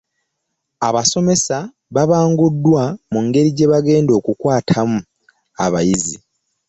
Abasomesa babanguddwa ku ngeri gyebagenda okukwatamu abayizi.